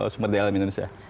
sumber daya alam indonesia